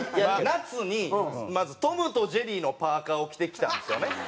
夏にまずトムとジェリーのパーカを着てきたんですよね。